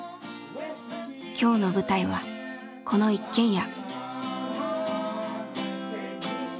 今日の舞台はこの一軒家。